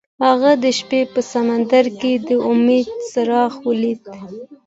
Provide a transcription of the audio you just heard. هغه د شپه په سمندر کې د امید څراغ ولید.